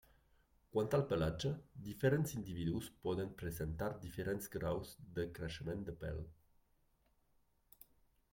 Quant al pelatge, diferents individus poden presentar diferents graus de creixement de pèl.